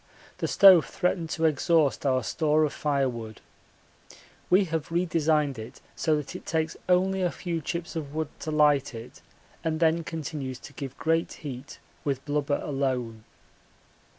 The stove threatened to exhaust our store of firewood. We have redesigned it so that it takes only a few chips of wood to light it and then continues to give great heat with blubber alone.